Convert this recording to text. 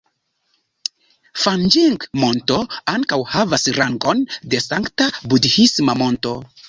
Fanĝing-Monto ankaŭ havas rangon de sankta budhisma monto.